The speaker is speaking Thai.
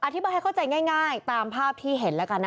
อธิบายให้เข้าใจง่ายตามภาพที่เห็นแล้วกันนะ